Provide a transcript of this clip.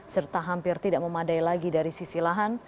serta hampir tidak memadai lagi dari sisi lahan